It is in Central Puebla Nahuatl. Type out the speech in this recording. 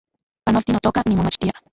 Panolti, notoka, nimomachtia